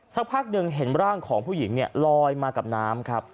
สักพักหนึ่งเห็นร่างของผู้หญิงลอยมากับน้ำครับ